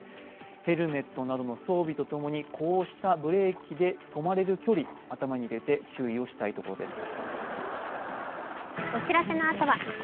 ヘルメットなどの装備と共にこうしたブレーキで止まれる距離頭に入れて注意をしたいところです。